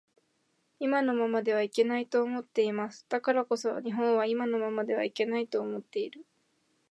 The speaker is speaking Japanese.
今のままではいけないと思っています。だからこそ日本は今のままではいけないと思っている